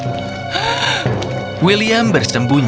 ada yang mendengarkan